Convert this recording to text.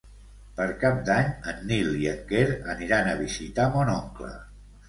Per Cap d'Any en Nil i en Quer aniran a visitar mon oncle.